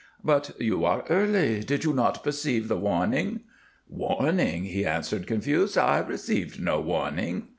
"But you are early. Did you not receive the warning?" "Warning?" he answered, confused. "I received no warning."